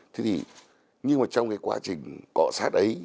thế thì nhưng mà trong cái quá trình cọ sát ấy